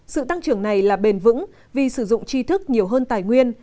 sự tăng trưởng này là bền vững vì sử dụng chi thức nhiều hơn tài nguyên